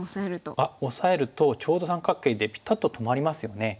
あっオサえるとちょうど三角形でピタッと止まりますよね。